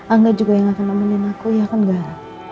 anda juga yang akan nemenin aku ya kan gar